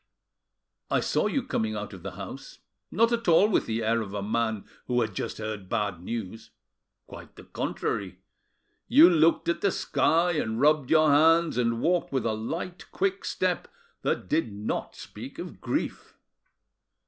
I saw you coming out of the house, not at all with the air of a man who had just heard bad news, (quite the contrary) you looked at the sky, and rubbed your hands, and walked with a light, quick step, that did not speak of grief."